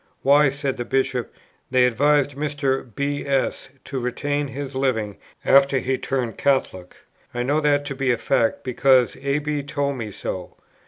'Why,' said the Bishop, 'they advised Mr. B. S. to retain his living after he turned Catholic. I know that to be a fact, because A. B. told me so.'"